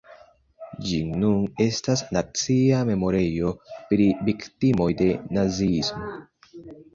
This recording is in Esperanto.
Ĝi nun estas nacia memorejo pri viktimoj de naziismo.